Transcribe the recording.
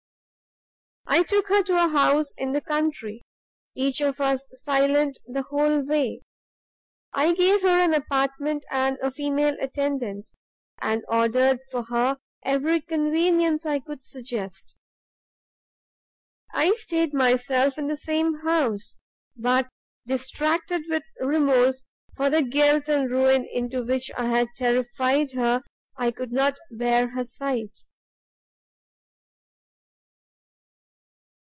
"I took her to a house in the country, each of us silent the whole way. I gave her an apartment and a female attendant, and ordered for her every convenience I could suggest. I stayed myself in the same house, but distracted with remorse for the guilt and ruin into which I had terrified her, I could not bear her sight.